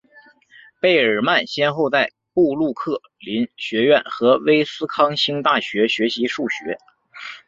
贝尔曼先后在布鲁克林学院和威斯康星大学学习数学。